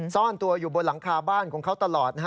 ซ่อนตัวอยู่บนหลังคาบ้านของเขาตลอด